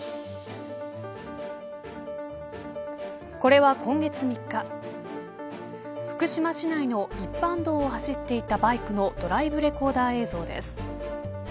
これは今月３日福島市内の一般道を走っていたバイクのドライブレコーダー映像です。